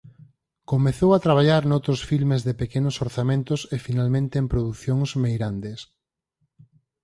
Comezou a traballar noutros filmes de pequenos orzamentos e finalmente en producións meirandes.